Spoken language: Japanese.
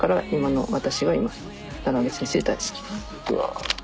うわ。